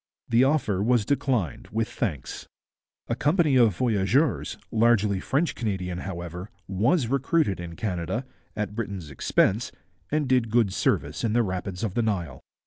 The offer was declined with thanks. A company of voyageurs, largely French Canadian, however, was recruited in Canada, at Britain's expense, and did good service in the rapids of the Nile.